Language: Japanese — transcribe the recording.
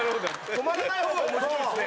止まらない方が面白いですね。